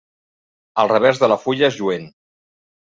El revers de la fulla és lluent.